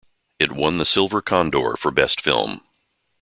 It won the Silver Condor for Best Film.